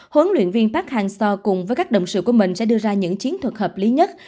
huấn luyện viên park hang seo cùng với các động sự của mình sẽ đưa ra những chiến thuật hợp lý nhất